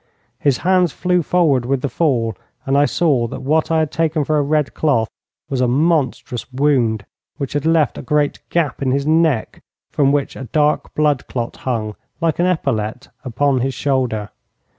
His hands flew forward with the fall, and I saw that what I had taken for a red cloth was a monstrous wound, which had left a great gap in his neck, from which a dark blood clot hung, like an epaulette upon his shoulder.